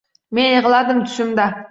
Men yigʻladim tushimda